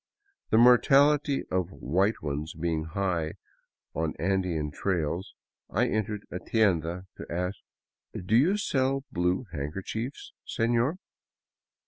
The mortality of white ones being high on Andean trails, I entered a tienda to ask: " Do you sell blue handkerchiefs, seiior?